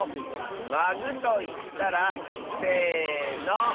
「まぐ」といったら？せの。